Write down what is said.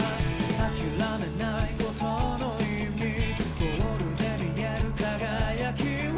「諦めないことの意味」「ゴールで見える輝きを」